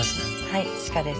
はい鹿です。